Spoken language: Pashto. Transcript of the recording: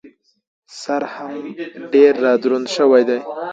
سر هم ډېر را دروند شوی دی.